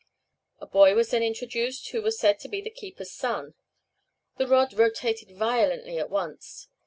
A boy was then introduced, who was said to be the keeper's son. The rod rotated violently at once.